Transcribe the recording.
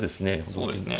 そうですね。